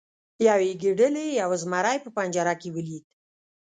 یوې ګیدړې یو زمری په پنجره کې ولید.